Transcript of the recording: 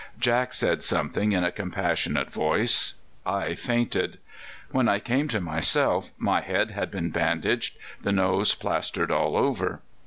Jack said something in a compassionate voice. I fainted. When I came to myself, my head had been bandaged, the nose plastered all over.